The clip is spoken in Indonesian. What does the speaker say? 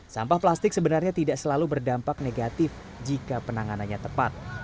sampah plastik sebenarnya tidak selalu berdampak negatif jika penanganannya tepat